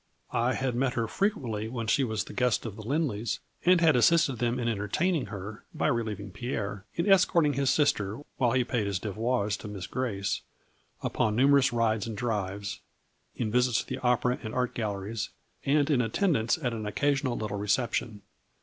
I had met her frequently when she was the guest of the . Lindleys, and had assisted them in entertaining her, by relieving Pierre, in escorting his sister while he paid his devoirs to Miss Grace, upon numerous rides and drives, in visits to the opera and art galleries, and in attendance at an occasional little reception.